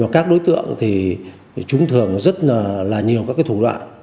các đối tượng thì chúng thường rất là nhiều các thủ đoạn